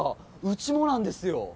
うちもなんですよ。